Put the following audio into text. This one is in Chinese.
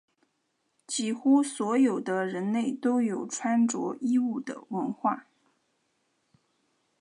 几乎所有的人类都有穿着衣物的文化。